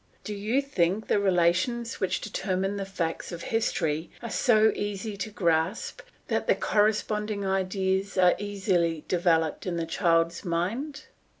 Do you think the relations which determine the facts of history are so easy to grasp that the corresponding ideas are easily developed in the child's mind!